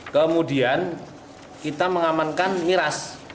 kemudian kita mengamankan miras